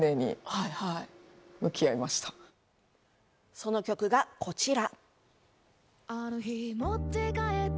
その曲がこちら。